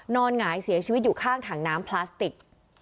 หงายเสียชีวิตอยู่ข้างถังน้ำพลาสติก